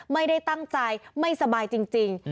ไม่ได้ตั้งใจไม่สบายจริง